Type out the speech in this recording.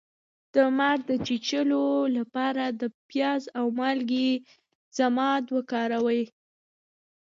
د مار د چیچلو لپاره د پیاز او مالګې ضماد وکاروئ